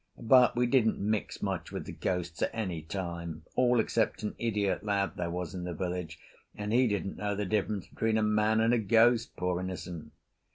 But we didn't mix much with the ghosts at any time, all except an idiot lad there was in the village, and he didn't know the difference between a man and a ghost, poor innocent!